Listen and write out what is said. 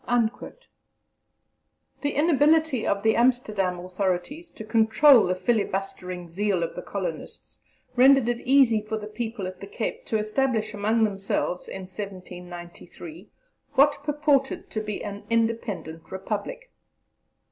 The inability of the Amsterdam authorities to control the filibustering zeal of the colonists rendered it easy for the people at the Cape to establish among themselves, in 1793, what purported to be an independent Republic.